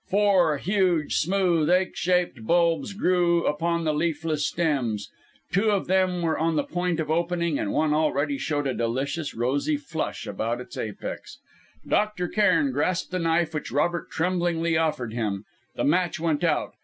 Four huge, smooth, egg shaped buds grew upon the leafless stems; two of them were on the point of opening, and one already showed a delicious, rosy flush about its apex. Dr. Cairn grasped the knife which Robert tremblingly offered him. The match went out.